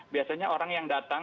biasanya orang yang datang